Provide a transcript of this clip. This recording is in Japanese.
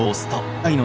はい。